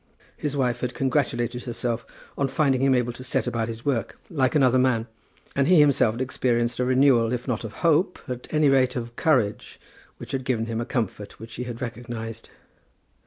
His wife had congratulated herself on finding him able to set about his work like another man, and he himself had experienced a renewal, if not of hope, at any rate, of courage, which had given him a comfort which he had recognized.